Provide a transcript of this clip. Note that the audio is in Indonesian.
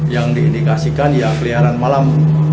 yang diindikasikan ya peliaran malam